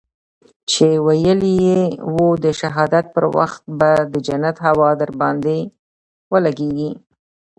چې ويلي يې وو د شهادت پر وخت به د جنت هوا درباندې ولګېږي.